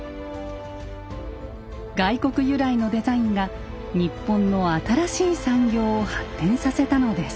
外国由来のデザインが日本の新しい産業を発展させたのです。